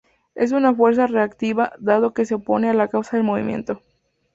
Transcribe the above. Es una fuerza reactiva dado que se opone a la causa del movimiento.